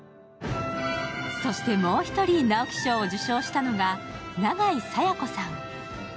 そしてもう１人、直木賞を受賞したのが永井紗耶子さん。